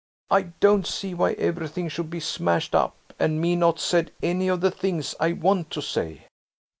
"I don't see why everything should be smashed up and me not said any of the things I want to say."